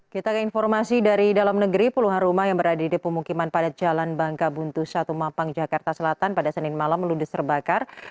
kita ke informasi dari dalam negeri puluhan rumah yang berada di pemukiman padat jalan bangka buntu satu mampang jakarta selatan pada senin malam ludes terbakar